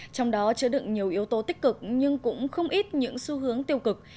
trong đó chứa đựng nhiều yếu tố tích cực nhưng cũng không ít những xu hướng tiêu cực